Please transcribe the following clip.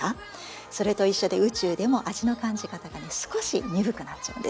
それと一緒で宇宙でも味の感じ方が少し鈍くなっちゃうんです。